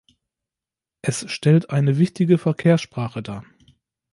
Es stellt eine wichtige Verkehrssprache dar.